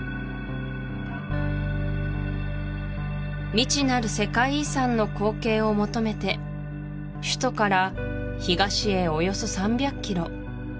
未知なる世界遺産の光景を求めて首都から東へおよそ３００キロ